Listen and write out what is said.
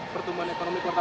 pertumbuhan ekonomi kota kita